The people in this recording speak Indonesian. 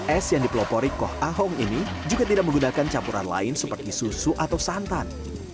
es yang dipelopori koh ahong ini juga tidak menggunakan campuran lain seperti susu atau santan